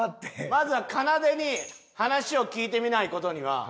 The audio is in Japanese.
まずはかなでに話を聞いてみない事には。